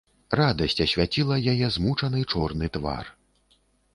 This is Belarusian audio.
Радасць асвяціла яе змучаны чорны твар.